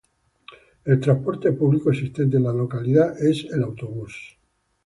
El transporte público existente en la localidad es el autobús.